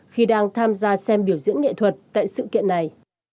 khi đang tham gia xem biểu diễn nghệ thuật tại sự kiện này